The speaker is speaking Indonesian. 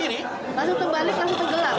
iya langsung terbalik langsung tenggelam